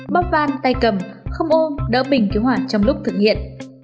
bóp van tay cầm không ôm đỡ bình cứu hỏa trong lúc thực hiện